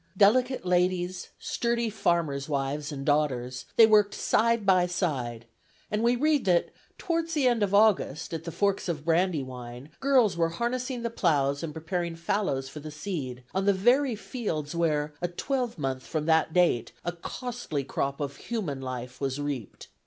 Delicate ladies, sturdy farmers' wives and daughters, they worked side by side: and we read that "towards the end of August, at the Forks of Brandywine, girls were harnessing the ploughs, and preparing fallows for the seed, on the very fields where, a twelvemonth from that date, a costly crop of human life was reaped."